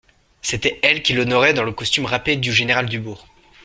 C'était elle qu'il honorait dans le costume râpé du général Dubourg.